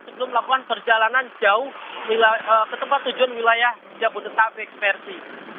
sebelum melakukan perjalanan jauh ke tempat tujuan wilayah jabodetabek versi